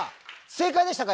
正解でしたか？